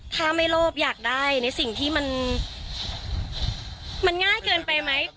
ถ้าไม่โลภอยากได้ในสิ่งที่มันง่ายเกินไปไหม